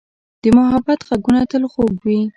د محبت ږغونه تل خوږ وي.